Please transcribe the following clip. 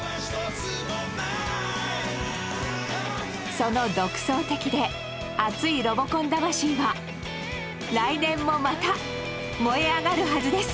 その独創的で熱いロボコン魂は来年もまた燃え上がるはずです！